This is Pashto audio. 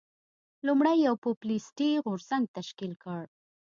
لومړی یو پوپلیستي غورځنګ تشکیل کړ.